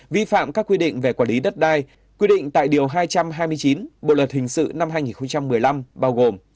vi phạm các quy định về quản lý đất đai quy định tại điều hai trăm hai mươi chín bộ luật hình sự năm hai nghìn một mươi năm bao gồm